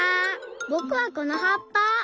ぼくはこのはっぱ。